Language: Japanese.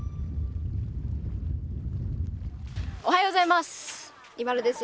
おはようございます。